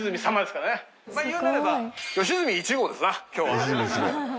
まあ言うなれば良純１号ですな今日は。